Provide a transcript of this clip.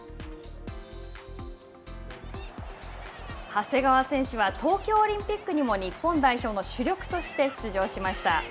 長谷川選手は、東京オリンピックにも日本代表の主力として出場しました。